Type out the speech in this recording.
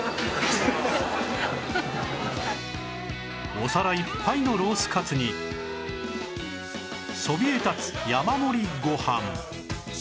お皿いっぱいのロースかつにそびえ立つ山盛りご飯